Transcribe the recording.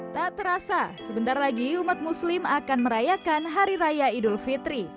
tak terasa sebentar lagi umat muslim akan merayakan hari raya idul fitri